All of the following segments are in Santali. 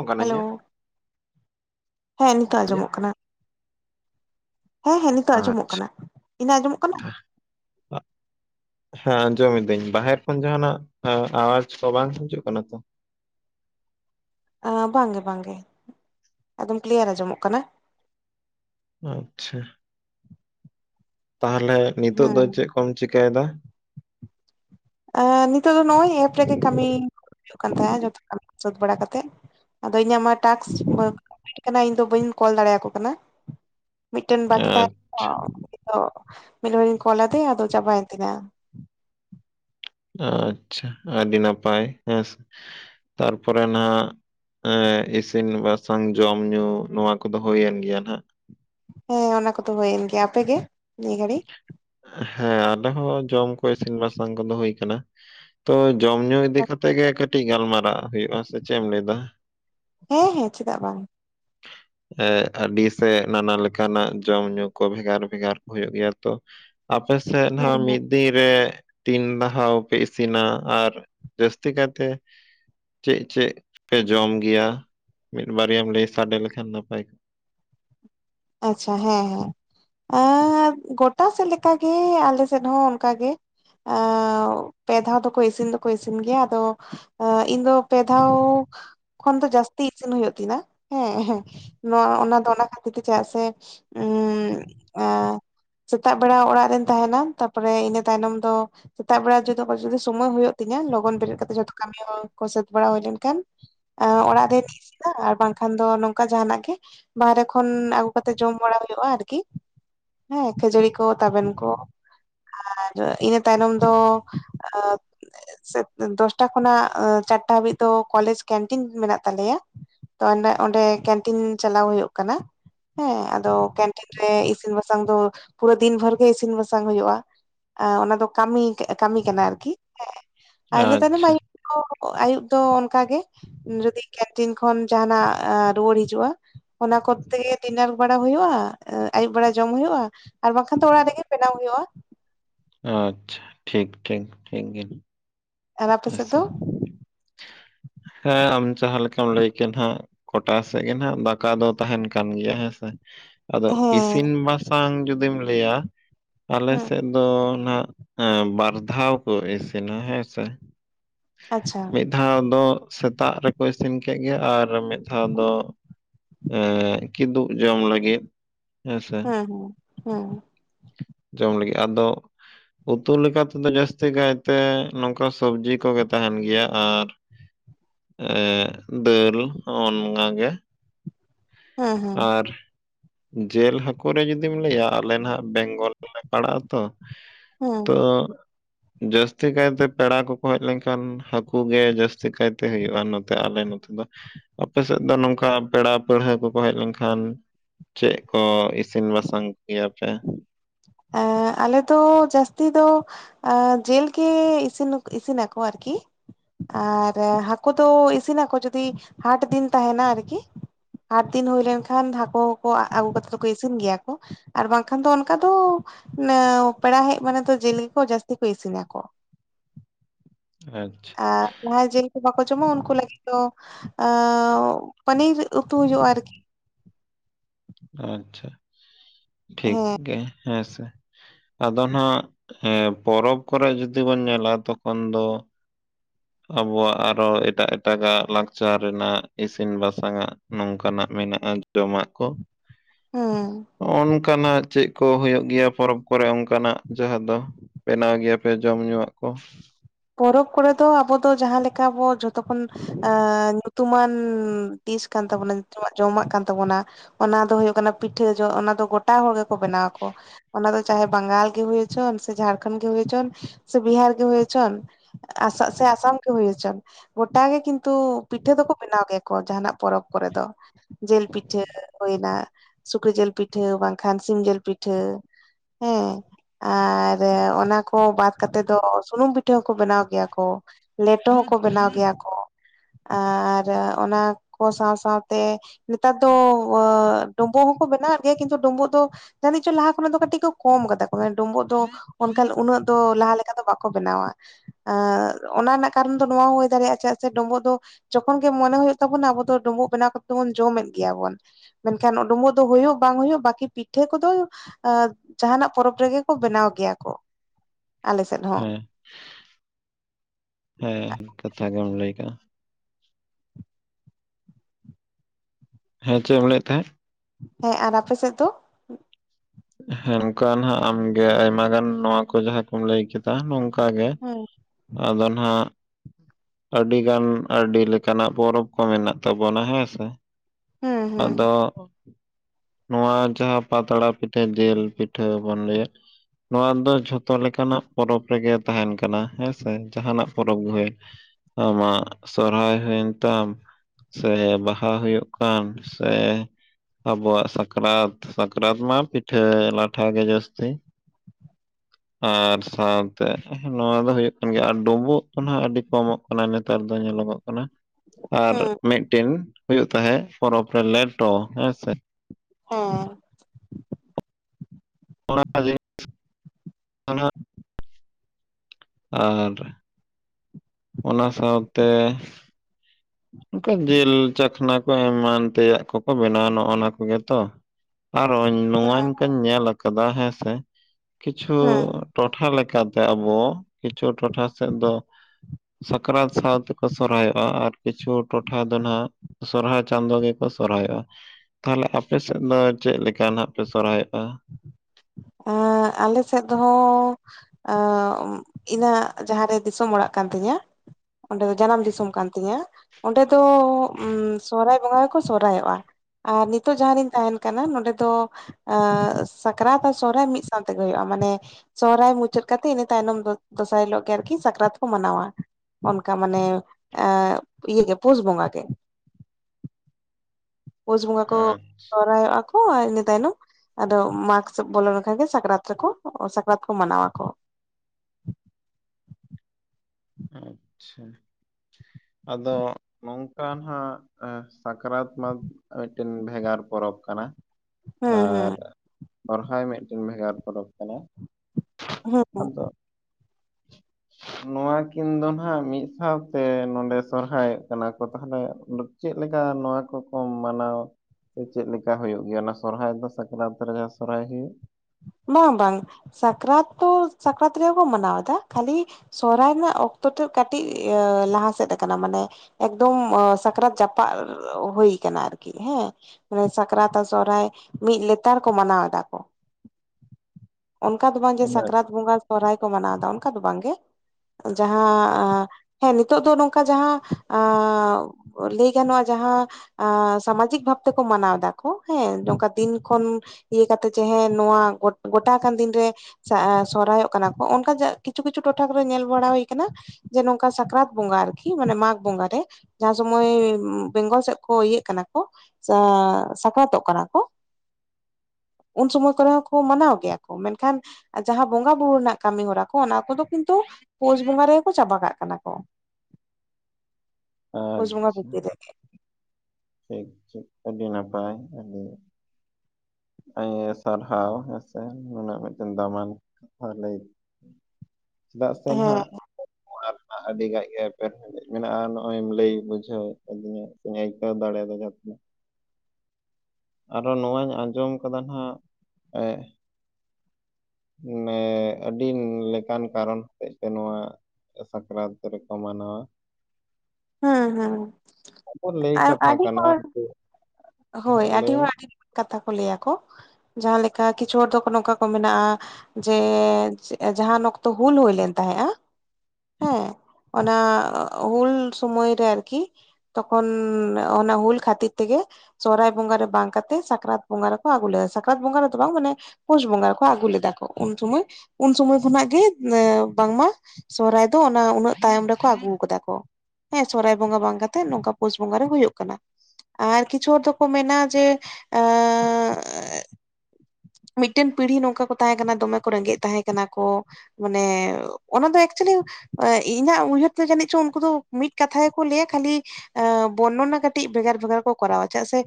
ᱚᱠᱟ ᱦᱮᱞᱳ [inaudible] ᱦᱮᱸ ᱮᱱᱠᱟ ᱤᱧᱟᱹᱜ ᱟᱸᱡᱚᱢᱚᱜ ᱠᱟᱱᱟ ᱦᱮᱸ ᱦᱮᱸ ᱱᱤᱛᱚᱜ ᱟᱸᱡᱚᱢᱚᱜ ᱟᱪᱪᱷᱟ ᱠᱟᱱᱟ ᱤᱧᱟᱹᱜ ᱟᱸᱡᱚᱢᱚᱜ ᱠᱟᱱᱟ ᱦᱟᱜ ᱦᱮᱸ ᱟᱸᱡᱚᱢ ᱤᱫᱟᱹᱧ ᱵᱟᱦᱮᱨ ᱠᱷᱚᱱ ᱡᱟᱦᱟᱸᱱᱟᱜ ᱟᱣᱟᱡ ᱠᱚ ᱵᱟᱝ ᱦᱤᱡᱩᱜ ᱠᱟᱱᱟ ᱛᱚ ᱵᱟᱝᱜᱮ ᱵᱟᱝᱜᱮ ᱮᱠᱫᱚᱢ ᱠᱤᱞᱤᱭᱟᱨ ᱟᱸᱡᱚᱢᱚᱜ ᱠᱟᱱᱟ ᱟᱪ ᱪᱷᱟ ᱛᱟᱦᱮᱞᱮ ᱱᱤᱛᱚᱜ ᱫᱚ ᱪᱮᱫ ᱠᱚᱢ ᱪᱤᱠᱟᱹᱭ ᱮᱫᱟ ᱟᱸ ᱱᱤᱛᱚᱜ ᱫᱚ ᱱᱚᱜᱼᱚᱭ ᱮᱯ ᱨᱮᱜᱮ ᱠᱟᱹᱢᱤ ᱦᱩᱭᱩᱜ ᱠᱟᱱ ᱛᱟᱦᱮᱸᱜ ᱡᱚᱛᱚ ᱠᱟᱹᱢᱤ ᱥᱟᱹᱛ ᱵᱟᱲᱟ ᱠᱟᱛᱮᱜ ᱟᱫᱚ ᱤᱧᱟᱹᱜ ᱢᱟ ᱴᱟᱥ ᱠᱚᱢᱯᱤᱴ ᱠᱟᱱᱟ ᱤᱧ ᱫᱚ ᱵᱟᱹᱧ ᱠᱚᱞ ᱫᱟᱲᱮ ᱟᱠᱚ ᱠᱟᱱᱟ ᱢᱤᱫᱴᱮᱱ ᱵᱟᱹᱠᱤ ᱛᱟᱦᱮᱸ ᱟᱪ- ᱫᱚ ᱢᱤᱫ ᱦᱚᱲᱤᱧ ᱠᱚᱞ ᱟᱫᱮᱭᱟ ᱟᱫᱚ ᱪᱟᱵᱟᱭᱮᱱ ᱛᱱᱟ ᱟᱪᱪᱷᱟ ᱟᱹᱰᱤ ᱱᱟᱯᱟᱭ ᱦᱮᱸᱥᱮ ᱛᱟᱨᱯᱚᱨᱮ ᱱᱟᱱᱟᱜ ᱮᱸ ᱤᱥᱤᱱ ᱵᱟᱥᱟᱝ ᱡᱚᱢ ᱧᱩ ᱱᱚᱣᱟ ᱠᱚᱫᱚ ᱦᱩᱭᱮᱱ ᱜᱮᱭᱟ ᱱᱟᱜ ᱦᱮᱸ ᱚᱱᱟ ᱠᱚᱫᱚ ᱦᱩᱭᱮᱱ ᱜᱮᱭᱟ ᱟᱯᱮ ᱜᱮ ᱱᱤᱭᱟᱹ ᱜᱷᱟᱹᱲᱤᱡ ᱦᱮᱸ ᱟᱞᱮ ᱦᱚᱸ ᱡᱚᱢ ᱠᱚ ᱤᱥᱤᱱ ᱵᱟᱥᱟᱝ ᱠᱚᱫᱚ ᱦᱩᱭ ᱟᱠᱟᱱᱟ ᱛᱚ ᱡᱚᱢ ᱧᱩ ᱤᱫᱤ ᱠᱟᱛᱮ ᱜᱮ ᱠᱟᱹᱴᱤᱡ ᱜᱟᱞᱢᱟᱨᱟᱜ ᱦᱩᱭᱩᱜᱳᱼᱟ ᱥᱮ ᱪᱮᱫ ᱮᱢ ᱞᱟᱹᱭᱮᱫᱟ ᱦᱮᱸ ᱦᱮᱸ ᱪᱮᱫᱟᱜ ᱵᱟᱝ [inaudible] ᱮ ᱟᱹᱰᱤ ᱥᱮ ᱱᱟᱱᱟ ᱞᱮᱠᱟᱱᱟᱜ ᱡᱚᱢ ᱧᱩ ᱠᱚ ᱵᱷᱮᱜᱟᱨ ᱵᱷᱮᱜᱟᱨ ᱠᱚ ᱦᱩᱭᱩᱜ ᱜᱮᱭᱟ ᱛᱚ ᱟᱯᱮᱥᱮᱫ ᱦᱚᱸ ᱦᱩᱸ ᱦᱩᱸ ᱢᱤᱫ ᱫᱤᱱ ᱛᱤᱱ ᱫᱷᱟᱣ ᱯᱮ ᱤᱥᱤᱱᱟ ᱟᱨ ᱡᱟᱹᱥᱛᱤ ᱠᱟᱭᱛᱮ ᱪᱮᱫ ᱪᱮᱫ ᱯᱮ ᱡᱚᱢ ᱜᱮᱭᱟ ᱢᱤᱫ ᱵᱟᱨᱭᱟᱢ ᱞᱟᱹᱭ ᱥᱟᱰᱮ ᱞᱮᱠᱷᱟᱱ ᱱᱟᱯᱟᱭ ᱠᱚᱜᱼᱟ ᱟᱪᱪᱷᱟ ᱦᱮᱸ ᱦᱮᱸ ᱮᱸ ᱜᱚᱴᱟ ᱥᱮᱫ ᱞᱮᱠᱟ ᱜᱮ ᱟᱞᱮ ᱥᱮᱫ ᱦᱚᱸ ᱚᱱᱠᱟᱜᱮ ᱮ ᱻᱯᱮ ᱫᱷᱟᱣ ᱫᱚᱠᱚ ᱤᱥᱤᱱ ᱫᱚᱠᱚ ᱤᱥᱤᱱ ᱜᱮᱭᱟ ᱟᱫᱚ ᱤᱧ ᱫᱚ ᱯᱮ ᱫᱷᱟᱣ ᱠᱷᱚᱱ ᱫᱚ ᱡᱟᱹᱥᱛᱤ ᱤᱥᱤᱱ ᱦᱩᱭᱩᱜ ᱛᱤᱧᱟᱹ ᱦᱮᱸ ᱦᱮᱸ ᱱᱚᱣᱟ ᱚᱱᱟ ᱫᱚ ᱚᱱᱟ ᱠᱷᱟᱹᱛᱤᱨ ᱛᱮ ᱪᱮᱫᱟᱜ ᱥᱮ ᱩ ᱟᱸ ᱥᱮᱛᱟᱜ ᱵᱮᱲᱟ ᱚᱲᱟᱜ ᱨᱮᱧ ᱛᱟᱦᱮᱱᱟ ᱛᱟᱯᱚᱨᱮ ᱤᱱᱟᱹ ᱛᱟᱭᱱᱚᱢ ᱫᱚ ᱥᱮᱛᱟᱜ ᱵᱮᱲᱟ ᱡᱩᱫᱤ ᱡᱩᱫᱤ ᱥᱚᱢᱚᱭ ᱦᱩᱭᱩᱜ ᱛᱤᱧᱟᱹ ᱞᱚᱜᱚᱱ ᱵᱮᱨᱮᱫ ᱠᱟᱛᱮ ᱡᱚᱛᱚ ᱠᱟᱹᱢᱤ ᱦᱚᱨᱟ ᱠᱚ ᱥᱟᱹᱛ ᱵᱟᱲᱟ ᱦᱩᱭ ᱞᱮᱱᱠᱷᱟᱱ ᱚᱲᱟᱜ ᱨᱮᱧ ᱤᱥᱤᱱᱟ ᱟᱨ ᱵᱟᱝᱠᱷᱟᱱ ᱫᱚ ᱱᱚᱝᱠᱟ ᱡᱟᱦᱟᱱᱟᱜ ᱜᱮ ᱵᱟᱦᱨᱮ ᱠᱷᱚᱱ ᱟᱹᱜᱩ ᱠᱟᱛᱮ ᱡᱚᱢ ᱵᱟᱲᱟ ᱦᱩᱭᱩᱜᱼᱟ ᱟᱨᱠᱤ ᱦᱮᱸ ᱠᱷᱟᱹᱡᱟᱹᱲᱤ ᱠᱚ ᱛᱟᱵᱮᱱ ᱠᱚ ᱟᱨ ᱤᱱᱟᱹ ᱛᱟᱭᱱᱚᱢ ᱫᱚ ᱟᱸ ᱫᱚᱥᱴᱟ ᱠᱷᱚᱱᱟᱜ ᱪᱟᱨᱴᱟ ᱦᱟᱹᱵᱤᱡ ᱫᱚ ᱠᱚᱞᱮᱡᱽ ᱠᱮᱱᱴᱤᱱ ᱢᱮᱱᱟᱜ ᱛᱟᱞᱮᱭᱟ ᱛᱚ ᱚᱸᱰᱮ ᱚᱸᱰᱮ ᱠᱮᱱᱴᱤᱱ ᱪᱟᱞᱟᱣ ᱦᱩᱭᱩᱜ ᱠᱟᱱᱟ ᱦᱮᱸ ᱟᱫᱚ ᱠᱮᱱᱴᱤᱱ ᱨᱮ ᱤᱥᱤᱱ ᱵᱟᱥᱟᱝ ᱫᱚ ᱯᱩᱨᱟᱹ ᱫᱤᱱ ᱵᱷᱳᱨ ᱜᱮ ᱤᱥᱤᱱ ᱵᱟᱥᱟᱝ ᱦᱩᱭᱩᱜᱼᱟ ᱥᱮ ᱚᱱᱟ ᱫᱚ ᱠᱟᱹᱢᱤ ᱠᱟᱹᱢᱤ ᱠᱟᱱᱟ ᱟᱨᱠᱤ ᱦᱮᱸ ᱟᱨ ᱠᱚᱜᱼᱟ᱾ ᱤᱱᱟᱹ ᱛᱟᱭᱚᱢ ᱟᱪᱪᱷᱟ ᱟᱹᱭᱩᱵ ᱟᱹᱭᱩᱵ ᱫᱚ ᱚᱱᱠᱟᱜ ᱜᱮ ᱡᱩᱫᱤ ᱫᱤᱱ ᱠᱷᱚᱱ ᱡᱟᱦᱟᱸᱱᱟᱜ ᱨᱩᱣᱟᱹᱲ ᱦᱤᱡᱩᱜᱼᱟ ᱚᱱᱟ ᱠᱚᱛᱮ ᱜᱮ ᱰᱤᱱᱟᱨ ᱵᱟᱲᱟ ᱦᱩᱭᱩᱜᱼᱟ ᱟᱹᱭᱩᱵ ᱵᱮᱲᱟ ᱡᱚᱢ ᱦᱩᱭᱩᱜᱼᱟ ᱟᱨ ᱵᱟᱝᱠᱷᱟᱱ ᱫᱚ ᱚᱲᱟᱜ ᱨᱮᱜᱮ ᱵᱮᱱᱟᱣ ᱦᱩᱭᱩᱜᱼᱟ ᱟᱪᱪᱷᱟ ᱴᱷᱤᱠ ᱴᱷᱤᱠ ᱴᱷᱤᱠ ᱜᱮᱭᱟ ᱟᱨ ᱟᱯᱮ ᱦᱮᱸ ᱥᱮᱫ ᱥᱮ ᱫᱚ ᱟᱢ ᱡᱟᱦᱟᱸ ᱞᱮᱠᱟᱢ ᱞᱟᱹᱭ ᱠᱮᱫ ᱦᱟᱸᱜ ᱠᱚᱴᱟ ᱥᱮᱫ ᱜᱮ ᱱᱟᱜ ᱫᱟᱠᱟ ᱫᱚ ᱛᱟᱦᱮᱱ ᱠᱟᱱ ᱜᱮᱭᱟ ᱦᱮᱸ ᱥᱮ ᱟᱫᱚ ᱦᱮᱸ ᱤᱥᱤᱱ ᱵᱟᱥᱟᱝ ᱡᱩᱫᱤᱢ ᱞᱟᱹᱭ ᱟᱞᱮ ᱦᱮᱸ ᱥᱮᱫ ᱫᱚ ᱱᱟᱜ ᱵᱟᱨ ᱫᱷᱟᱣ ᱠᱚ ᱤᱥᱤᱱ-ᱟ ᱦᱮᱸ ᱥᱮ ᱟᱪᱪᱷᱟ ᱢᱤᱫ ᱫᱷᱟᱣ ᱫᱚ ᱥᱮᱛᱟᱜ ᱨᱮᱠᱚ ᱤᱥᱤᱱ ᱠᱮᱫ ᱜᱮ ᱟᱨ ᱢᱤᱫ ᱫᱷᱟᱣ ᱫᱚ ᱮᱫ ᱠᱤᱫᱩᱵ ᱡᱚᱢ ᱞᱟᱹᱜᱤᱫ ᱦᱮᱸᱥᱮ ᱦᱮᱸ ᱦᱮᱸ ᱦᱮᱸ ᱡᱚᱢ ᱞᱟᱹᱜᱤᱫ ᱟᱫᱚ ᱩᱛᱩ ᱞᱮᱠᱟᱛᱮᱫᱚ ᱡᱟᱹᱥᱛᱤ ᱠᱟᱭᱛᱮ ᱱᱚᱝᱠᱟ ᱥᱚᱵᱽᱡᱤ ᱠᱚᱜᱮ ᱛᱟᱦᱮᱱ ᱜᱮᱭᱟ ᱟᱨ ᱮᱫ ᱫᱟᱹᱞ ᱦᱚᱸᱜ ᱱᱚᱣᱟᱜ ᱜᱮ ᱦᱮᱸ ᱦᱮᱸ ᱟᱨ ᱡᱮᱞ ᱦᱟᱹᱠᱩ ᱨᱮ ᱡᱩᱫᱤᱢ ᱞᱟᱹᱭ-ᱟ ᱟᱞᱮ ᱱᱟᱜ ᱵᱮᱝᱜᱚᱞ ᱨᱮᱞᱮ ᱯᱟᱲᱟᱜ ᱟ ᱛᱚ ᱦᱮᱸ ᱡᱟᱹᱥᱛᱤ ᱠᱟᱹᱭ ᱛᱮ ᱯᱮᱲᱟ ᱠᱚᱠᱚ ᱦᱮᱡ ᱞᱮᱱᱠᱷᱟᱱ ᱦᱟᱹᱠᱩ ᱜᱮ ᱡᱟᱹᱥᱛᱤ ᱠᱟᱭᱛᱮ ᱦᱩᱭᱩᱜᱼᱟ ᱱᱚᱛᱮ ᱟᱞᱮ ᱱᱚᱛᱮ ᱫᱚ ᱟᱯᱮ ᱥᱮᱫ ᱫᱚ ᱱᱚᱝᱠᱟ ᱯᱮᱲᱟ ᱯᱟᱹᱲᱦᱟᱶ ᱠᱚᱠᱚ ᱦᱮᱡ ᱞᱮᱱᱠᱷᱟᱱ ᱪᱮᱫ ᱠᱚ ᱤᱥᱤᱱ ᱵᱟᱥᱟᱝ ᱠᱮᱭᱟ ᱯᱮ ᱟᱞᱮ ᱫᱚ ᱡᱟᱹᱥᱛᱤ ᱫᱚ ᱟ ᱡᱮᱞ ᱜᱮ ᱤᱥᱤᱱ ᱤᱥᱤ ᱱᱟᱠᱚ ᱟᱨᱠᱤ ᱟᱨ ᱦᱟᱹᱠᱩ ᱫᱚ ᱤᱥᱤᱱ ᱟᱠᱚ ᱡᱩᱫᱤ ᱦᱟᱴ ᱫᱤᱱ ᱛᱟᱦᱮᱱᱟ ᱟᱨᱠᱤ ᱦᱟᱴ ᱫᱤᱱ ᱦᱩᱭ ᱞᱮᱱᱠᱷᱟᱱ ᱦᱟᱹᱠᱩ ᱟᱹᱜᱩ ᱠᱟᱛᱮ ᱫᱚᱠᱚ ᱤᱥᱤᱱ ᱜᱮᱭᱟ ᱠᱚ ᱟᱨ ᱵᱟᱝᱠᱷᱟᱱ ᱫᱚ ᱚᱱᱠᱟ ᱫᱚ ᱯᱮᱲᱟ ᱦᱮᱡ ᱢᱟᱱᱮ ᱫᱚ ᱡᱤᱞ ᱜᱮ ᱠᱚ ᱡᱟᱹᱥᱛᱤ ᱠᱚ ᱤᱥᱤᱱ ᱟᱠᱚ ᱟᱪᱪᱷᱟ ᱟᱜ ᱟᱨ ᱡᱟᱦᱟᱸᱭ ᱡᱤᱞ ᱠᱚ ᱵᱟᱠᱚ ᱡᱚᱢ ᱟ ᱩᱱᱠᱩ ᱞᱟᱹᱜᱤᱫ ᱫᱚ ᱮ ᱯᱟᱱᱤᱨ ᱩᱛᱩ ᱦᱩᱭᱩᱜᱼᱟ ᱟᱨᱠᱤ ᱟᱪᱪᱷᱟ ᱴᱷᱤᱠ ᱦᱮᱸ ᱜᱮ ᱦᱮᱸ ᱥᱮ ᱟᱫᱚ ᱱᱟᱜ ᱯᱚᱨᱚᱵᱽ ᱠᱚᱨᱮᱫ ᱡᱩᱫᱤ ᱵᱚᱱ ᱧᱮᱞ ᱟ ᱛᱚᱠᱷᱚᱱ ᱫᱚ ᱟᱵᱚᱣᱟᱜ ᱟᱨᱚ ᱮᱴᱟᱜ ᱮᱴᱟᱜᱟᱜ ᱞᱟᱠᱪᱟᱨ ᱨᱮᱱᱟᱜ ᱤᱥᱤᱱ ᱵᱟᱥᱟᱝᱟᱜ ᱱᱚᱝᱠᱟᱱᱟᱜ ᱢᱮᱱᱟᱜᱼᱟ ᱡᱚᱢᱟᱜ ᱠᱚ ᱦᱮᱸ ᱚᱱ ᱚᱱᱠᱟᱱᱟᱜ ᱪᱮᱫ ᱠᱚ ᱦᱩᱭᱩᱜ ᱜᱮᱭᱟ ᱯᱚᱨᱚᱵᱽ ᱠᱚᱨᱮ ᱚᱱᱠᱟᱱᱟᱜ ᱡᱟᱦᱟᱸ ᱫᱚ ᱵᱮᱱᱟᱣ ᱜᱮᱭᱟᱯᱮ ᱡᱚᱢ ᱧᱩᱣᱟᱜ ᱠᱚ ᱯᱚᱨᱚᱵᱽ ᱠᱚᱨᱮ ᱫᱚ ᱟᱵᱚ ᱫᱚ ᱡᱟᱦᱟᱸ ᱞᱮᱠᱟᱵᱚ ᱡᱚᱛᱚᱠᱷᱚᱱ ᱧᱩᱛᱩᱢᱟᱱ ᱛᱤᱥ ᱠᱟᱱ ᱛᱟᱵᱚᱱᱟ ᱡᱚᱢᱟᱜ ᱠᱟᱱ ᱛᱟᱵᱚᱱᱟ ᱚᱱᱟ ᱫᱚ ᱦᱩᱭᱩᱜ ᱠᱟᱱᱟ ᱯᱤᱴᱷᱟᱹ ᱡᱚᱜ ᱚᱱᱟ ᱫᱚ ᱜᱳᱴᱟ ᱦᱚᱲ ᱜᱮᱠᱚ ᱵᱮᱱᱟᱣ ᱟᱠᱚ ᱚᱱᱟ ᱫᱚ ᱪᱟᱦᱮ ᱵᱟᱝᱜᱟᱞ ᱜᱮ ᱦᱩᱭ ᱦᱚᱪᱚᱱ ᱥᱮ ᱡᱷᱟᱲᱠᱷᱚᱱᱰ ᱜᱮ ᱦᱩᱭ ᱦᱚᱪᱚᱱ ᱥᱮ ᱵᱤᱟᱨ ᱜᱮ ᱦᱩᱭ ᱪᱚᱱ ᱥᱮ ᱟᱥᱟᱢ ᱜᱮ ᱦᱩᱭ ᱟᱪᱚᱱ ᱜᱚᱴᱟᱜ ᱜᱮ ᱠᱤᱱᱛᱩ ᱯᱤᱴᱟᱹ ᱫᱚᱠᱚ ᱵᱮᱱᱟᱣ ᱜᱮ ᱠᱚ ᱡᱟᱦᱟᱱᱟᱜ ᱯᱚᱨᱚᱵᱽ ᱠᱚᱨᱮ ᱫᱚ ᱡᱮᱞ ᱯᱤᱴᱷᱟᱹ ᱦᱩᱭᱱᱟ ᱥᱩᱠᱨᱤ ᱡᱮᱞ ᱯᱤᱴᱷᱟᱹ ᱵᱟᱝᱠᱷᱟᱱ ᱥᱤᱢ ᱡᱤᱞ ᱯᱤᱴᱷᱟᱹ ᱦᱮᱸ ᱟᱨ ᱚᱱᱟ ᱠᱚ ᱵᱟᱫ ᱠᱟᱛᱮ ᱫᱚ ᱥᱩᱱᱩᱢ ᱯᱤᱴᱷᱟᱹ ᱯᱤᱴᱷᱟᱹ ᱦᱚᱸᱠᱚ ᱵᱮᱱᱟᱣ ᱜᱮᱭᱟ ᱠᱚ ᱞᱮᱴᱚ ᱦᱚᱸᱠᱚ ᱵᱮᱱᱟᱣ ᱜᱮᱭᱟ ᱠᱚ ᱟᱨ ᱚᱱᱟ ᱠᱚ ᱥᱟᱶ ᱥᱟᱶᱛᱮ ᱱᱮᱛᱟᱨ ᱫᱚ ᱰᱳᱢᱵᱳᱜ ᱦᱚᱸᱠᱚ ᱵᱮᱱᱟᱣᱮᱫ ᱜᱮᱭᱟ ᱠᱤᱱᱛᱩ ᱰᱳᱢᱵᱳᱜ ᱫᱚ ᱡᱟᱱᱤᱡ ᱪᱚᱝ ᱞᱟᱦᱟ ᱠᱷᱚ ᱫᱚ ᱠᱟᱹᱴᱤᱡ ᱠᱚᱢ ᱠᱟᱫᱟ ᱠᱚ ᱢᱟᱱᱮ ᱰᱩᱢᱵᱩᱜ ᱫᱚ ᱚᱱᱠᱟᱱ ᱩᱱᱟᱹᱜ ᱫᱚ ᱞᱟᱦᱟ ᱞᱮᱠᱟ ᱫᱚ ᱵᱟᱠᱚ ᱵᱮᱱᱟᱣᱟ ᱚᱱᱟ ᱨᱮᱱᱟᱜ ᱠᱟᱨᱚᱱ ᱫᱚ ᱱᱚᱣᱟ ᱦᱩᱭ ᱫᱟᱲᱮᱭᱟᱜᱼᱟ ᱪᱮᱫᱟᱜ ᱥᱮ ᱰᱳᱵᱳᱜ ᱫᱚ ᱡᱚᱠᱷᱚᱱ ᱜᱮ ᱢᱚᱱᱮ ᱦᱩᱭᱩᱜ ᱛᱟᱵᱱᱟ ᱟᱵᱚ ᱰᱩᱢᱵᱩᱜ ᱵᱮᱱᱟᱣ ᱠᱟᱛᱮ ᱵᱚᱱ ᱡᱚᱢᱮᱫ ᱜᱮᱭᱟ ᱵᱚᱱ ᱢᱮᱱᱠᱷᱟᱱ ᱰᱩᱵᱚᱜ ᱫᱚ ᱦᱩᱭᱩᱜ ᱵᱟᱝ ᱦᱩᱭᱩᱜ ᱵᱟᱹᱠᱤ ᱯᱤᱴᱷᱟᱹ ᱠᱚᱫᱚ ᱮ ᱡᱟᱦᱱᱟᱜ ᱯᱚᱨᱚᱵᱽ ᱨᱮᱜᱮ ᱠᱚ ᱵᱮᱱᱟᱣ ᱜᱮᱭᱟ ᱠᱚ ᱟᱞᱮ ᱥᱮᱫ ᱦᱚᱸ ᱦᱮᱸ ᱦᱮᱸ ᱠᱟᱛᱷᱟ ᱜᱮᱢ ᱞᱟᱹᱭ ᱠᱟᱜᱼᱟ᱾ ᱦᱮᱸ ᱪᱮᱫ ᱮᱢ ᱞᱟᱹᱭᱮᱫ ᱛᱟᱦᱮᱸᱫ? ᱦᱮᱸ ᱟᱨ ᱟᱯᱮ ᱥᱮᱫ ᱫᱚ ᱦᱮᱸ ᱚᱱᱠᱟ ᱱᱟᱦᱟᱜ ᱟᱢᱜᱮ ᱟᱭᱢᱟ ᱜᱟᱱ ᱱᱚᱣᱟ ᱠᱚ ᱡᱟᱦᱟᱸ ᱠᱚᱢ ᱞᱟᱹᱭ ᱠᱮᱫᱟ ᱱᱚᱝᱠᱟᱜᱮ ᱦᱮᱸ ᱟᱫᱚ ᱱᱟᱦᱟᱜ ᱟᱹᱰᱤ ᱜᱟᱱ ᱟᱹᱰᱤ ᱞᱮᱠᱟᱱᱟᱜ ᱯᱚᱨᱚᱵᱽ ᱠᱚ ᱢᱮᱱᱟᱜ ᱛᱟᱵᱚᱱᱟ ᱦᱮᱸ ᱥᱮ ᱦᱩᱸ ᱦᱩᱸ ᱟᱫᱚ ᱱᱚᱣᱟ ᱡᱟᱦᱟᱸ ᱯᱟᱛᱲᱟ ᱯᱤᱴᱷᱟᱹ ᱡᱤᱞ ᱯᱤᱴᱷᱟᱹ ᱵᱚᱱ ᱞᱟᱹᱭᱟ ᱱᱚᱣᱟ ᱫᱚ ᱡᱷᱚᱛᱚ ᱞᱮᱠᱟᱱᱟᱜ ᱯᱚᱨᱚᱵᱽ ᱨᱮᱜᱮ ᱛᱟᱦᱮᱱ ᱠᱟᱱᱟ ᱦᱮᱸ ᱥᱮ ᱡᱟᱦᱟᱱᱟᱜ ᱯᱚᱨᱚᱵᱽ ᱜᱮ‌ ᱦᱩᱭᱩᱜ ᱟᱢᱟᱜ ᱥᱚᱨᱦᱟᱭ ᱦᱩᱭᱮᱱ ᱛᱟᱢ ᱥᱮ ᱵᱟᱦᱟ ᱦᱩᱭᱩᱜ ᱠᱟᱱ ᱥᱮ ᱟᱵᱚᱣᱟᱜ ᱥᱟᱠᱨᱟᱛ ᱥᱟᱠᱨᱟᱛ ᱢᱟ ᱯᱤᱴᱷᱟᱹ ᱞᱟᱴᱷᱟ ᱜᱮ ᱡᱟᱹᱥᱛᱤ ᱟᱨ ᱥᱟᱶᱛᱮ ᱱᱚᱣᱟ ᱫᱚ ᱦᱩᱭᱩᱜ ᱠᱟᱱ ᱜᱮᱭᱟ ᱟᱨ ᱰᱩᱸᱵᱩᱜ ᱫᱚ ᱟᱸᱜ ᱟᱹᱰᱤ ᱠᱚᱢᱚᱜ ᱠᱟᱱᱟ᱾ ᱚᱱᱮ ᱱᱮᱛᱟᱨ ᱫᱚ ᱧᱮᱞᱚᱜᱚᱜ ᱠᱟᱱᱟ᱾ ᱟᱨ ᱦᱮᱸ ᱢᱤᱫᱴᱤᱱ ᱦᱩᱭᱩᱜ ᱛᱟᱦᱮᱸᱫ ᱯᱚᱨᱚᱵᱽ ᱨᱮ ᱞᱮᱴᱚ ᱦᱮᱸ ᱥᱮ ᱦᱮ [unintelligible] [unintelligible] ᱟᱨ ᱚᱱᱟ ᱥᱟᱶᱛᱮ ᱚᱱᱠᱟ ᱡᱤᱞ ᱪᱟᱠᱷᱱᱟ ᱠᱚ ᱮᱢᱟᱱ ᱛᱮᱭᱟᱜ ᱠᱚᱠᱚ ᱵᱮᱱᱟᱣᱟ ᱱᱚᱜ ᱚᱭ ᱱᱚᱣᱟ ᱠᱚᱜᱮ ᱛᱚ ᱟᱨᱚ ᱱᱚᱣᱟ ᱫᱚᱧ ᱧᱮᱞ ᱠᱟᱫᱟ ᱦᱮᱸᱥᱮ ᱠᱤᱪᱷᱩ ᱴᱚᱴᱷᱟ ᱞᱮᱠᱟᱛᱮ ᱟᱵᱚ ᱠᱤᱪᱷᱩ ᱴᱚᱴᱷᱟ ᱥᱮᱫ ᱫᱚ ᱥᱟᱠᱨᱟᱛ ᱥᱟᱶ ᱛᱮᱠᱚ ᱥᱚᱨᱦᱟᱭᱚᱜᱼᱟ ᱟᱨ ᱠᱤᱪᱷᱩ ᱴᱚᱴᱷᱟ ᱫᱚ ᱦᱟᱜ ᱥᱚᱨᱦᱟᱭ ᱪᱟᱸᱫᱳ ᱜᱮᱠᱚ ᱥᱚᱨᱦᱟᱭᱚᱜᱼᱟ᱾ ᱛᱟᱦᱚᱞᱮ ᱟᱯᱮ ᱥᱮᱫ ᱫᱚ ᱪᱮᱫ ᱞᱮᱠᱟ ᱱᱟᱜ ᱯᱮ ᱥᱚᱨᱦᱟᱭᱚᱜᱼᱟ? ᱮ ᱟᱞᱮ ᱥᱮᱫ ᱫᱚ ᱤᱧᱟᱹᱜ ᱡᱟᱦᱟᱸᱨᱮ ᱫᱤᱥᱚᱢ ᱚᱲᱟᱜ ᱠᱟᱱ ᱛᱤᱧᱟᱹ ᱚᱸᱰᱮ ᱫᱚ ᱡᱟᱱᱟᱢ ᱫᱤᱥᱚᱢ ᱠᱟᱱ ᱛᱤᱧᱟᱹ ᱚᱸᱰᱮ ᱫᱚ ᱥᱚᱦᱚᱨᱟᱭ ᱵᱚᱸᱜᱟ ᱜᱮᱠᱚ ᱥᱚᱦᱚᱨᱟᱭᱚᱜᱼᱟ᱾ ᱟᱨ ᱱᱤᱛᱚᱜ ᱡᱟᱦᱟᱸ ᱨᱤᱧ ᱛᱟᱦᱮᱱ ᱠᱟᱱᱟ ᱱᱚᱰᱮ ᱫᱚ ᱥᱟᱠᱨᱟᱛ ᱥᱚᱨᱦᱟᱭ ᱢᱤᱫ ᱥᱟᱶ ᱛᱮᱜᱮ ᱦᱩᱭᱩᱜᱼᱟ, ᱢᱟᱱᱮ ᱥᱚᱦᱨᱟᱭ ᱢᱩᱪᱟᱹᱫ ᱠᱟᱛᱮ ᱤᱱᱟᱹ ᱛᱟᱭᱱᱚᱢ ᱫᱚᱥᱟᱨ ᱦᱤᱞᱳᱜ ᱜᱮ ᱟᱨᱠᱤ ᱥᱟᱠᱨᱟᱛ ᱠᱚ ᱢᱟᱱᱟᱣᱟ ᱚᱱᱠᱟ ᱢᱟᱱᱮ ᱮ ᱤᱭᱟᱹ ᱜᱮ ᱯᱩᱥ ᱵᱚᱸᱜᱟ ᱜᱮ [inaudible] ᱯᱩᱥ ᱵᱚᱸᱜᱟ ᱠᱚ ᱟᱪ ᱥᱚᱦᱚᱨᱟᱭᱚᱜᱼᱟ ᱠᱩ ᱟᱨ ᱤᱱᱟᱹ ᱛᱟᱭᱱᱚᱢ ᱟᱫᱚ ᱢᱟᱜᱽ ᱵᱚᱞᱚ ᱞᱮᱱᱠᱷᱟᱱ ᱜᱮ ᱥᱟᱠᱨᱟᱛ ᱨᱮᱠᱚ ᱥᱟᱠᱨᱟᱛ ᱠᱚ ᱢᱟᱱᱟᱣᱟ ᱠᱚ ᱟᱪᱪᱷᱟ ᱟᱫᱚ ᱱᱚᱝᱠᱟ ᱱᱷᱟᱜ ᱥᱟᱠᱨᱟᱛ ᱢᱟ ᱢᱤᱫᱴᱮᱱ ᱵᱷᱮᱜᱟᱨ ᱯᱚᱨᱚᱵᱽ ᱠᱟᱱᱟ ᱦᱩᱸ ᱦᱩᱸ ᱟᱨ ᱥᱚᱨᱦᱟᱭ ᱢᱤᱫᱴᱮᱱ ᱵᱷᱮᱜᱟᱨ ᱯᱚᱨᱚᱵᱽ ᱠᱟᱱᱟ᱿ ᱦᱩᱸ ᱦᱩᱸ ᱟᱫᱚ ᱱᱚᱣᱟ ᱠᱤᱱ ᱫᱚ ᱱᱟᱦᱟᱜ ᱢᱤᱫ ᱥᱟᱶᱛᱮ ᱱᱚᱰᱮ ᱥᱚᱨᱦᱟᱭᱚᱜ ᱠᱟᱱᱟ ᱠᱚ ᱛᱟᱦᱚᱞᱮ ᱪᱮᱫ ᱞᱮᱠᱟ ᱱᱚᱣᱟ ᱠᱚᱠᱚ ᱢᱟᱱᱟᱣ ᱥᱮ ᱪᱮᱫ ᱞᱮᱠᱟ ᱦᱳᱭᱳᱜ ᱜᱮᱭᱟ ᱚᱱᱟ ᱥᱚᱨᱦᱟᱭ ᱫᱚ ᱥᱟᱠᱨᱟᱛ ᱨᱮ ᱡᱟᱦᱟᱸ ᱥᱚᱨᱦᱟᱭ ᱦᱩᱭᱩᱜ ᱵᱟᱝ ᱵᱟᱝ ᱥᱟᱠᱨᱟᱛ ᱫᱚ ᱥᱟᱠᱨᱟᱛ ᱨᱮᱜᱮ ᱠᱚ ᱢᱟᱱᱟᱣ ᱮᱫᱟ ᱠᱷᱟᱹᱞᱤ ᱥᱚᱨᱦᱟᱭ ᱨᱮᱱᱟᱜ ᱚᱠᱛᱚ ᱛᱚ ᱠᱟᱹᱴᱤᱡ ᱞᱟᱦᱟ ᱥᱮᱫ ᱟᱠᱟᱱᱟ ᱢᱟᱱᱮ ᱮᱠᱫᱚᱢ ᱥᱟᱠᱨᱟᱛ ᱡᱟᱯᱟᱜ ᱦᱩᱭ ᱟᱠᱟᱱᱟ ᱟᱨᱠᱤ ᱦᱮᱸ ᱢᱟᱱᱮ ᱥᱟᱠᱨᱟᱛ ᱟᱨ ᱥᱚᱦᱨᱟᱭ ᱢᱤᱫ ᱞᱮᱛᱟᱲ ᱠᱚ ᱢᱟᱱᱟᱣ ᱮᱫᱟ ᱠᱚ ᱚᱱᱠᱟ ᱫᱚ ᱵᱟᱝ ᱡᱮ ᱥᱟᱠᱨᱟᱛ ᱵᱚᱸᱜᱟ ᱥᱚᱨᱦᱟᱭ ᱠᱚ ᱢᱟᱱᱟᱣ ᱮᱫᱟ ᱚᱱᱠᱟ ᱫᱚ ᱵᱟᱝᱜᱮ ᱡᱟᱦᱟᱸ ᱦᱮᱸ ᱱᱤᱛᱚᱜ ᱫᱚ ᱱᱚᱝᱠᱟ ᱡᱟᱦᱟᱸ ᱟ ᱞᱟᱹᱭ ᱜᱟᱱᱚᱜᱼᱟ ᱡᱟᱦᱟᱸ ᱥᱟᱢᱟᱡᱤᱠ ᱵᱷᱟᱵ ᱛᱮᱠᱚ ᱢᱟᱱᱟᱣ ᱫᱟᱠᱚ ᱦᱮᱸ ᱱᱚᱝᱠᱟ ᱫᱤᱱ ᱠᱷᱚᱱ ᱤᱭᱟᱹ ᱠᱟᱛᱮ ᱡᱮ ᱦᱮᱸ ᱱᱚᱣᱟ ᱜᱚᱴᱟ ᱟᱠᱟᱱ ᱫᱤᱱ ᱨᱮ ᱥᱟᱜ-ᱟ ᱥᱚᱨᱦᱟᱭᱚᱜ ᱠᱟᱱᱟ ᱠᱚ ᱚᱱᱠᱟ ᱠᱤᱪᱷᱩ ᱠᱤᱪᱷᱩ ᱴᱚᱴᱷᱟ ᱠᱚᱨᱮ ᱧᱮᱞ ᱵᱟᱲᱟ ᱦᱩᱭ ᱟᱠᱟᱱᱟ ᱡᱮ ᱱᱚᱝᱠᱟ ᱥᱟᱠᱨᱟᱛ ᱵᱚᱸᱜᱟ ᱟᱨᱠᱤ ᱢᱟᱱᱮ ᱢᱟᱜᱽ ᱵᱚᱸᱜᱟ ᱨᱮ ᱡᱟᱦᱟᱸ ᱥᱚᱢᱚᱭ ᱵᱮᱝᱜᱚᱞ ᱥᱮᱫ ᱠᱚ ᱤᱭᱟᱹᱜ ᱠᱟᱱᱟ ᱠᱚ ᱥᱟ ᱥᱟᱠᱨᱟᱛᱚᱜ ᱠᱟᱱᱟ ᱠᱚ ᱩᱱ ᱥᱚᱢᱚᱭ ᱠᱚᱨᱮ ᱦᱚᱸ ᱠᱚ ᱢᱟᱱᱟᱣ ᱜᱮᱭᱟ ᱠᱚ ᱢᱮᱱᱠᱷᱟᱱ ᱡᱟᱦᱟᱸ ᱵᱚᱸᱜᱟ ᱵᱩᱨᱩ ᱨᱮᱱᱟᱜ ᱠᱟᱹᱢᱤ ᱦᱚᱨᱟ ᱠᱚ ᱚᱱᱟ ᱠᱚᱫᱚ ᱠᱤᱱᱛᱩ ᱯᱳᱥ ᱵᱚᱸᱜᱟ ᱨᱮᱜᱮ ᱠᱚ ᱪᱟᱵᱟ ᱠᱟᱜ ᱠᱟᱱᱟ ᱠᱚ ᱯᱳᱥ ᱵᱚᱸᱜᱟ ᱟᱪᱪᱷᱟ ᱵᱷᱤᱛᱤᱨ ᱨᱮ ᱴᱷᱤᱠ ᱴᱷᱤᱠ ᱟᱹᱰᱤ ᱱᱟᱯᱟᱭ ᱟᱹᱰᱤ ᱟᱭ ᱥᱟᱨᱦᱟᱣ ᱦᱮᱸᱥᱮ ᱱᱩᱱᱟᱹᱜ ᱢᱤᱫᱴᱮᱱ ᱫᱟᱢᱟᱱ ᱠᱟᱛᱷᱟ ᱞᱟᱹᱭ ᱪᱮᱫᱟᱜ ᱥᱮ ᱦᱮᱸ ᱱᱟᱜ [inaudible] ᱱᱟᱜ ᱟᱹᱰᱤ ᱜᱟᱡ ᱜᱮ ᱮᱯᱮᱨ ᱦᱮᱸᱰᱮᱡ ᱢᱮᱱᱟᱜᱼᱟ ᱱᱚᱜᱼᱚ ᱭᱮᱢ ᱞᱟᱹᱭ ᱵᱩᱡᱷᱟᱹᱣ ᱟᱫᱤᱧᱟ ᱥᱮᱧ ᱟᱹᱭᱠᱟᱹᱣ ᱫᱟᱲᱮ ᱭᱟᱫᱟ ᱡᱷᱚᱛᱚ ᱱᱟᱜ ᱟᱨᱚ ᱱᱚᱣᱟᱧ ᱟᱸᱡᱚᱢ ᱟᱠᱟᱫᱟ ᱱᱟᱜ ᱮ ᱢᱟᱱᱮ ᱟᱹᱰᱤ ᱞᱮᱠᱟᱱ ᱠᱟᱨᱚᱱ ᱦᱚᱛᱮᱡ ᱛᱮ ᱱᱚᱣᱟ ᱥᱟᱠᱨᱟᱛ ᱨᱮᱠᱚ ᱢᱟᱱᱟᱣᱟ ᱦᱮᱸ ᱦᱮᱸ ᱟᱵᱚ ᱞᱟᱹᱭ ᱟᱨ ᱠᱟᱛᱷᱟ ᱟᱹᱰᱤ ᱠᱟᱱᱟ ᱦᱚᱲ ᱡᱮ, ᱦᱳᱭ ᱦᱮᱸ ᱟᱹᱰᱤ ᱞᱟᱹᱭ ᱢᱮ ᱦᱚᱲ ᱟᱹᱰᱤ ᱞᱮᱠᱟᱱ ᱠᱟᱛᱷᱟ ᱠᱚ ᱞᱟᱹᱭᱟᱠᱚ ᱡᱟᱦᱟᱸ ᱞᱮᱠᱟ ᱠᱤᱪᱷᱩ ᱦᱚᱲ ᱫᱚᱠᱚ ᱱᱚᱝᱠᱟ ᱠᱚ ᱢᱮᱱᱟᱜᱼᱟ ᱡᱮ ᱡᱟᱦᱟᱱ ᱚᱠᱛᱚ ᱦᱩᱞ ᱦᱩᱭᱞᱮᱱ ᱛᱟᱦᱮᱸᱫᱼᱟ ᱦᱮᱸ ᱚᱱᱟ ᱦᱩᱞ ᱥᱚᱢᱚᱭ ᱨᱮ ᱟᱨᱠᱤ ᱛᱚᱠᱷᱚᱱ ᱚᱱᱟ ᱦᱩᱞ ᱠᱷᱟᱹᱛᱤᱨ ᱛᱮᱜᱮ ᱥᱚᱨᱦᱟᱭ ᱵᱚᱸᱜᱟ ᱨᱮ ᱵᱟᱝ ᱠᱟᱛᱮ ᱥᱟᱠᱨᱟᱛ ᱵᱚᱸᱜᱟ ᱨᱮᱠᱚ ᱟᱹᱜᱩ ᱞᱮᱫᱟ ᱥᱟᱠᱨᱟᱛ ᱵᱚᱸᱜᱟ ᱨᱮᱫᱚ ᱵᱟᱝ ᱢᱟᱱᱮ ᱯᱩᱥ ᱵᱚᱸᱜᱟ ᱨᱮᱠᱚ ᱟᱹᱜᱩ ᱞᱮᱫᱟ ᱠᱚ ᱩᱱ ᱥᱚᱢᱚᱭ ᱩᱱ ᱥᱚᱢᱚᱭ ᱠᱷᱚᱱᱟᱜ ᱜᱮ ᱮ ᱵᱟᱝᱢᱟ ᱥᱚᱨᱦᱟᱭ ᱫᱚ ᱚᱱᱟ ᱩᱱᱟᱹᱜ ᱛᱟᱭᱚᱢ ᱨᱮᱠᱚ ᱟᱹᱜᱩ ᱟᱠᱟᱫᱟ ᱠᱚ ᱦᱮᱸ ᱥᱚᱨᱦᱟᱭ ᱵᱚᱸᱜᱟ ᱵᱟᱝ ᱠᱟᱛᱮ ᱱᱚᱝᱠᱟ ᱯᱩᱥ ᱵᱚᱸᱜᱟ ᱨᱮ ᱦᱩᱭᱩᱜ ᱠᱟᱱᱟ ᱟᱨ ᱠᱤᱪᱷᱩ ᱦᱚᱲ ᱫᱚᱠᱚ ᱢᱮᱱᱟ ᱡᱮ ᱮᱻ ᱢᱤᱫᱴᱮᱱ ᱯᱤᱲᱦᱤ ᱱᱚᱝᱠᱟ ᱠᱚ ᱛᱟᱦᱮᱸ ᱠᱟᱱᱟ ᱫᱚᱢᱮ ᱠᱚ ᱨᱮᱸᱜᱮᱡ ᱛᱟᱦᱮᱸ ᱠᱟᱱᱟ ᱠᱚ ᱢᱟᱱᱮ ᱚᱱᱟ ᱫᱚ ᱮᱠᱪᱩᱭᱮᱞᱤ ᱮ ᱤᱧᱟᱹᱜ ᱩᱭᱦᱟᱹᱨ ᱛᱮ ᱡᱟᱹᱱᱤᱡ ᱪᱚᱝ ᱩᱱᱠᱩ ᱫᱚ ᱢᱤᱫ ᱠᱟᱛᱷᱟ ᱜᱮᱠᱚ ᱞᱟᱹᱭᱟ ᱠᱷᱟᱹᱞᱤ ᱟ ᱵᱚᱨᱱᱚᱱᱟ ᱠᱟᱹᱴᱤᱡ ᱵᱷᱮᱜᱟᱨ ᱵᱷᱮᱜᱟᱨ ᱠᱚ ᱠᱚᱨᱟᱣᱟ ᱪᱮᱫᱟᱜ ᱥᱮ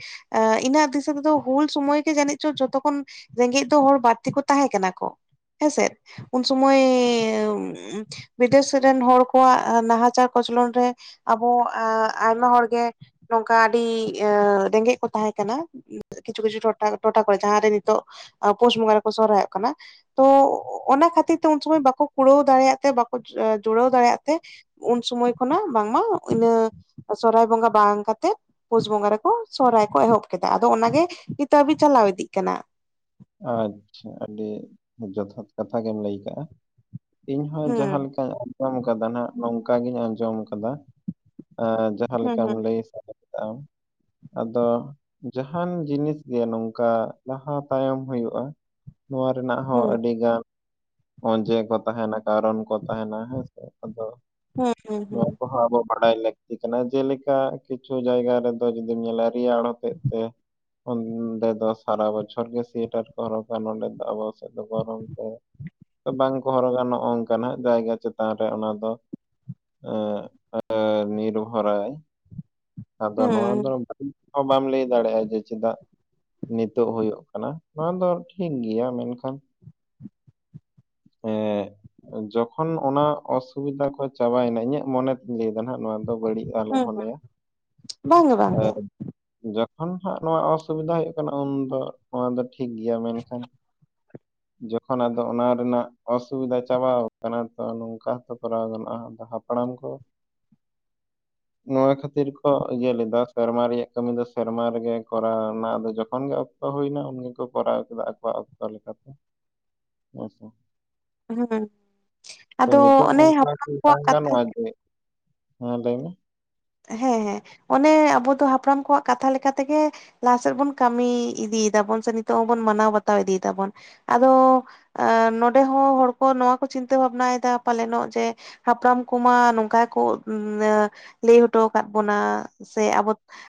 ᱤᱧᱟᱹᱜ ᱫᱤᱥᱟᱹ ᱛᱮᱫᱚ ᱦᱩᱞ ᱥᱩᱢᱚᱭ ᱜᱮ ᱡᱟᱹᱱᱤᱡ ᱪᱚ ᱡᱚᱛᱚ ᱠᱷᱚᱱ ᱨᱮᱸᱜᱮᱡ ᱫᱚ ᱦᱚᱲ ᱵᱟᱹᱲᱛᱤ ᱠᱚ ᱛᱟᱦᱮᱸ ᱠᱟᱱᱟ ᱠᱚ ᱦᱮᱸᱥᱮᱫ ᱩᱱ ᱥᱚᱢᱚᱭ ᱵᱤᱫᱮᱥᱤ ᱨᱮᱱ ᱦᱚᱲ ᱠᱚᱣᱟᱜ ᱱᱟᱦᱟᱪᱟᱨ ᱠᱚᱪᱞᱚᱱ ᱨᱮ ᱟᱵᱚ ᱟᱭᱢᱟ ᱦᱚᱲ ᱜᱮ ᱱᱚᱝᱠᱟ ᱟᱹᱰᱤ ᱮ ᱨᱮᱸᱜᱮᱡ ᱠᱚ ᱛᱟᱦᱮᱸ ᱠᱟᱱᱟ ᱠᱤᱪᱷᱩ ᱠᱤᱪᱷᱩ ᱴᱚᱴᱷᱟ ᱴᱚᱴᱷᱟ ᱠᱚᱨᱮ ᱡᱟᱦᱟᱸ ᱨᱮ ᱱᱤᱛᱚᱜ ᱯᱳᱥ ᱵᱚᱸᱜᱟ ᱨᱮᱠᱚ ᱥᱚᱨᱚᱦᱨᱟᱭᱚᱜ ᱠᱟᱱᱟ ᱛᱚ ᱚᱱᱟ ᱠᱷᱟᱹᱛᱤᱨ ᱛᱮ ᱩᱱ ᱥᱚᱢᱚᱭ ᱵᱟᱠᱚ ᱠᱩᱲᱟᱹᱣ ᱫᱟᱲᱮᱭᱟᱜ ᱛᱮ ᱵᱟᱠᱚ ᱡᱩᱲᱟᱹᱣ ᱫᱟᱲᱮᱭᱟᱜ ᱛᱮ ᱩᱱ ᱥᱚᱢᱚᱭ ᱠᱷᱚᱱᱟᱜ ᱵᱟᱝᱢᱟ ᱤᱱᱟᱹ ᱥᱚᱨᱚᱦᱟᱭ ᱵᱚᱸᱜᱟ ᱵᱟᱝ ᱠᱟᱛᱮᱜ ᱯᱩᱥ ᱵᱚᱸᱜᱟ ᱨᱮᱠᱚ ᱥᱚᱨᱦᱟᱭ ᱠᱚ ᱮᱦᱚᱵ ᱠᱮᱫᱟ ᱟᱫᱚ ᱚᱱᱟᱜᱮ ᱱᱤᱛᱟᱹ ᱦᱟᱹᱵᱤᱡ ᱪᱟᱞᱟᱣ ᱤᱫᱤᱜ ᱠᱟᱱᱟ ᱟᱪᱪᱷᱟ ᱟᱹᱰᱤ ᱡᱚᱛᱷᱟᱛ ᱠᱟᱛᱷᱟ ᱜᱮᱢ ᱞᱟᱹᱭ ᱠᱟᱜᱼᱟ ᱤᱧᱦᱚᱸ ᱡᱟᱦᱟᱸ ᱦᱩᱸ ᱞᱮᱠᱟᱧ ᱟᱸᱡᱚᱢ ᱠᱟᱫᱟ ᱱᱟᱜ ᱱᱚᱝᱠᱟ ᱜᱤᱧ ᱟᱸᱡᱚᱢ ᱠᱟᱫᱟ ᱮᱸ ᱡᱟᱦᱟᱸ ᱦᱩᱸ ᱞᱮᱠᱟᱢ ᱦᱩᱸ ᱞᱟᱹᱭ ᱥᱟᱰᱮ ᱟᱱ ᱟᱫᱚ ᱡᱟᱦᱟᱱ ᱡᱤᱱᱤᱥ ᱜᱮ ᱱᱚᱝᱠᱟ ᱞᱟᱦᱟ ᱛᱟᱭᱚᱢ ᱦᱩᱭᱩᱜᱼᱟ ᱱᱚᱣᱟ ᱨᱮᱱᱟᱜ ᱦᱚᱸ ᱦᱩᱸ ᱟᱹᱰᱤ ᱜᱟᱱ ᱚᱡᱮ ᱠᱚ ᱛᱟᱸᱦᱮᱱᱟ ᱠᱟᱨᱚᱱ ᱠᱚ ᱛᱟᱦᱮᱱᱟ ᱦᱮᱸᱥᱮ ᱟᱫᱚ ᱦᱩᱸ ᱦᱩᱸ ᱦᱩᱸ ᱱᱚᱣᱟ ᱠᱚᱦᱚᱸ ᱟᱵᱚ ᱵᱟᱰᱟᱭ ᱞᱟᱹᱠᱛᱤ ᱠᱟᱱᱟ ᱡᱮᱞᱮᱠᱟ ᱠᱤᱪᱷᱩ ᱡᱟᱭᱜᱟ ᱨᱮᱫᱚ ᱡᱩᱫᱤᱢ ᱧᱮᱞᱟ ᱨᱮᱭᱟᱲ ᱦᱚᱛᱮᱡ ᱛᱮ ᱚᱱᱰᱮ ᱫᱚ ᱥᱟᱨᱟ ᱵᱚᱪᱷᱚᱨ ᱚᱨ ᱜᱮ ᱥᱩᱭᱮᱴᱟᱨ ᱠᱚ ᱦᱚᱨᱚᱜᱟ ᱱᱚᱰᱮ ᱫᱚ ᱟᱵᱚ ᱥᱮᱫ ᱫᱚ ᱜᱚᱨᱚᱢ ᱛᱮ ᱵᱟᱝ ᱠᱚ ᱦᱚᱨᱚᱜᱟ ᱱᱚᱜ ᱱᱚᱝᱠᱟᱱᱟᱜ ᱡᱟᱭᱜᱟ ᱪᱮᱛᱟᱱ ᱨᱮ ᱚᱱᱟ ᱫᱚ ᱮᱫ ᱱᱤᱨᱵᱷᱚᱨᱟᱭ ᱟᱫᱚ ᱱᱚᱣᱟ ᱦᱩᱸ ᱫᱚ ᱦᱚᱸ ᱵᱟᱢ ᱞᱟᱹᱭ ᱫᱟᱲᱮᱭᱟᱜᱼᱟ ᱡᱮ ᱪᱮᱫᱟᱜ ᱱᱤᱛᱚᱜ ᱦᱳᱭᱳᱜ ᱱᱚᱣᱟ ᱫᱚ ᱴᱷᱤᱠ ᱜᱮᱭᱟ ᱢᱮᱱᱠᱷᱟᱱ ᱮᱫ ᱡᱚᱠᱷᱚᱱ ᱚᱱᱟ ᱚᱥᱩᱵᱤᱫᱟ ᱠᱚ ᱪᱟᱵᱟᱭᱮᱱᱟ ᱤᱧᱟᱹᱜ ᱢᱚᱱᱮ ᱛᱤᱧ ᱞᱟᱹᱭᱮᱫᱟ ᱱᱟᱦ ᱱᱚᱣᱟ ᱫᱚ ᱵᱟᱹᱲᱤᱡ ᱟᱞᱚᱢ ᱦᱩᱸ ᱢᱚᱱᱮᱭᱟ ᱵᱟᱝᱜᱮ ᱵᱟᱝᱜᱮ ᱡᱚᱠᱷᱚᱱ ᱦᱟᱸᱜ ᱱᱚᱣᱟ ᱚᱥᱩᱵᱤᱫᱷᱟ ᱦᱩᱭᱩᱜ ᱠᱟᱱᱟ ᱩᱱ ᱫᱚ ᱱᱚᱣᱟ ᱫᱚ ᱴᱷᱤᱠ ᱜᱮᱭᱟ ᱢᱮᱱᱠᱷᱟᱱ [unintelligible] ᱡᱚᱠᱷᱚᱱ ᱟᱫᱚ ᱚᱱᱟ ᱨᱮᱱᱟᱜ ᱚᱥᱩᱵᱤᱫᱷᱟ ᱪᱟᱵᱟ ᱟᱠᱟᱱᱟ ᱛᱚ ᱱᱚᱝᱠᱟ ᱦᱚᱸᱛᱚ ᱠᱚᱨᱟᱣ ᱜᱟᱱᱚᱜᱼᱟ ᱦᱟᱯᱲᱟᱢ ᱠᱚ ᱱᱚᱣᱟ ᱠᱷᱟᱹᱛᱤᱨ ᱠᱚ ᱤᱭᱟᱹ ᱞᱮᱫᱟ ᱥᱮᱨᱢᱟ ᱨᱮᱭᱟᱜ ᱠᱟᱹᱢᱤ ᱫᱚ ᱥᱮᱨᱢᱟ ᱨᱮᱜᱮ ᱠᱚᱨᱟᱣᱱᱟᱫᱚ ᱡᱚᱠᱷᱚᱱ ᱜᱮ ᱚᱠᱛᱚ ᱦᱩᱭᱱᱟ ᱩᱱ ᱜᱮᱠᱚ ᱠᱚᱨᱟᱣ ᱠᱮᱫᱟ ᱟᱠᱚᱣᱟᱜ ᱚᱠᱛᱚ ᱞᱮᱠᱟᱛᱮ ᱦᱮᱸᱥᱮ᱾ ᱦᱩᱸ ᱛᱚ ᱟᱫᱚ ᱱᱤᱛᱳᱜ ᱚᱱᱮ ᱚᱱᱠᱟ ᱦᱟᱯᱲᱟᱢ ᱫᱚ ᱠᱚᱣᱟᱜ ᱵᱟᱭ ᱠᱟᱛᱷᱟ ᱜᱟᱱᱚᱜᱼᱟ ᱪᱮ᱾ ᱦᱚᱸ ᱞᱟᱹᱭ ᱢᱮ᱾ ᱦᱮᱸ ᱦᱮᱸ ᱚᱱᱮ ᱟᱵᱚ ᱫᱚ ᱦᱟᱯᱲᱟᱢ ᱠᱚᱣᱟᱜ ᱠᱟᱛᱷᱟ ᱞᱮᱠᱟ ᱞᱮᱠᱟᱛᱮ ᱜᱮ ᱞᱟᱦᱟᱥᱮᱫ ᱵᱚᱱ ᱠᱟᱹᱢᱤ ᱤᱫᱤ ᱮᱫᱟᱵᱚᱱ ᱥᱮ ᱱᱤᱛᱚᱜ ᱦᱚᱸᱵᱚᱱ ᱢᱟᱱᱟᱣ ᱵᱟᱛᱟᱣ ᱤᱫᱤ ᱮᱫᱟᱵᱚᱱ᱾ ᱟᱫᱚ ᱟ ᱱᱚᱰᱮ ᱦᱚᱸ ᱦᱚᱲ ᱠᱚ ᱱᱚᱣᱟ ᱠᱚ ᱪᱤᱱᱛᱟᱹ ᱵᱷᱟᱵᱽᱱᱟᱭᱮᱫᱟ ᱯᱟᱞᱮᱱᱚᱜ ᱡᱮ ᱦᱟᱯᱲᱟᱢ ᱠᱚᱢᱟ ᱱᱚᱝᱠᱟ ᱜᱮᱠᱚ ᱞᱟᱹᱭ ᱦᱚᱴᱚ ᱟᱠᱟᱫ ᱵᱚᱱᱟ ᱥᱮ ᱟᱵᱚ